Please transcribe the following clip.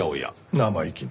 生意気に。